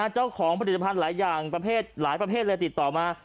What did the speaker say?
เจ้าของผลิตภัณฑ์หลายอย่างประเภทหลายประเภทเลยติดต่อมา